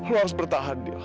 lu harus bertahan dil